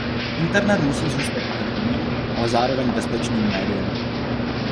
Internet musí zůstat otevřeným, ale zároveň bezpečným médiem.